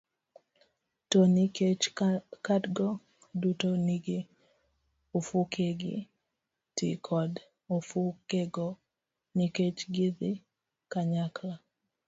To nikech kadgo duto nigi ofukegi, ti kod ofukego nikech gidhi kanyakla